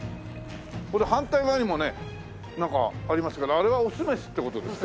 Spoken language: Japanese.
これ反対側にもねなんかありますからあれはオスメスって事ですか？